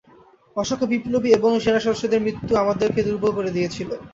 অসংখ্য বিপ্লবী এবং সেনা সদস্যদের মৃত্যু আমাদেরকে দূর্বল করে দিয়েছিল।